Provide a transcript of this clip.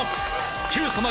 『Ｑさま！！』